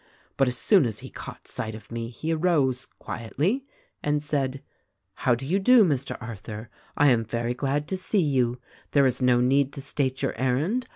Rut as soon as he caught sight of me he arose, quietly, and said, 'How THE RECORDING ANGEL 219 do you do, Mr. Arthur? I am very glad to see you. There is no need to state your errand.